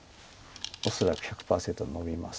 恐らく１００％ノビます。